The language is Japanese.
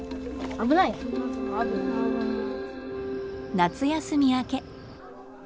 夏休み明け。